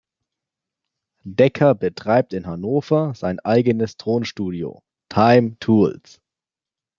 Decker betreibt in Hannover sein eigenes Tonstudio „Time Tools“.